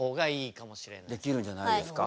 できるんじゃないですか？